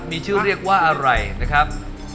มีชื่อเรียกว่าอะไรนะครับ